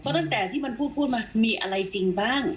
ตั้งแต่ที่มันพูดมามีอะไรจริงบ้าง